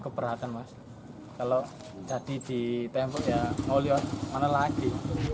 keperhatan mas kalau jadi di tempoh ya oh lihat mana lagi